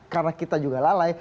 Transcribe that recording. karena kita juga lalai